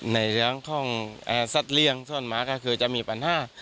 ในเรื่องของสัตว์เลี่ยงซ่อนหมาก็คือจะมีปัญหา